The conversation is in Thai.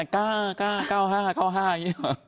ก้า๙๕อย่างนี้